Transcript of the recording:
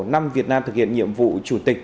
năm việt nam thực hiện nhiệm vụ chủ tịch